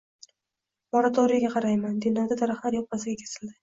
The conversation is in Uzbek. Moratoriyga qaramay, Denovda daraxtlar yoppasiga kesildi